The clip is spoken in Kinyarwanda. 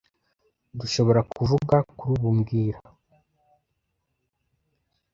dushobora kuvuga kuri ubu mbwira